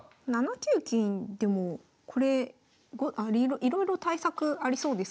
７九金でもこれいろいろ対策ありそうですけど。